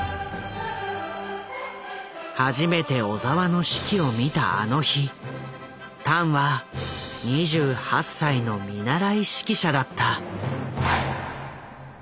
初めて小澤の指揮を見たあの日タンは２８歳の見習い指揮者だった。